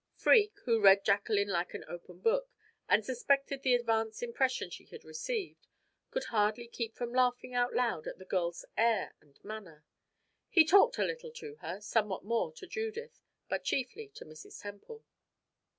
Freke, who read Jacqueline like an open book, and suspected the advance impression she had received, could hardly keep from laughing out aloud at the girl's air and manner. He talked a little to her, somewhat more to Judith, but chiefly to Mrs. Temple.